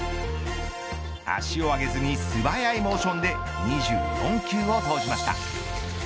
足を上げずに素早いモーションで２４球を投じました。